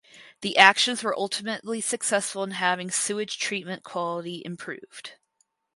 The actions were ultimately successful in having sewage treatment quality improved.